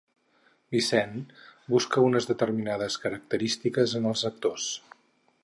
Vicent busca unes determinades característiques en els actors.